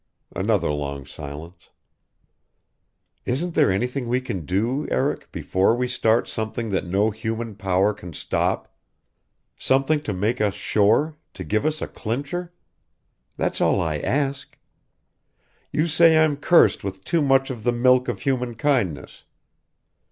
Another long silence. "Isn't there anything we can do, Eric before we start something that no human power can stop? Something to make us sure to give us a clincher? That's all I ask. You say I'm cursed with too much of the milk of human kindness.